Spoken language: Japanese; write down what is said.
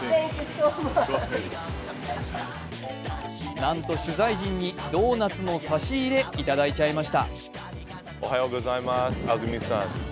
なんと取材陣にドーナツの差し入れ頂いちゃいました。